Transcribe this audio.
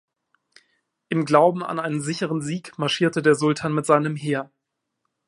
Im Glauben an einen sicheren Sieg marschierte der Sultan mit seinem Heer.